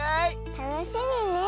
たのしみねえ。